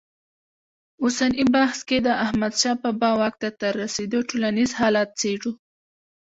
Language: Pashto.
اوسني بحث کې د احمدشاه بابا واک ته تر رسېدو ټولنیز حالت څېړو.